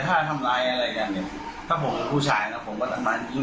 ใช่แต่ถ้าทำร้ายอะไรอย่างนี้ถ้าผมเป็นผู้ชายนะผมก็ทำร้ายจริง